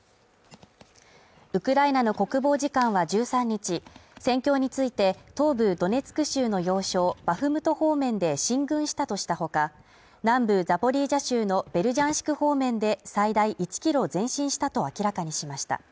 ウクライナの国防次官は１３日、戦況について、東部ドネツク州の要衝バフムト方面で進軍したとしたほか、南部ザポリージャ州のベルジャンシク方面で最大１ｋｍ前進したと明らかにしました。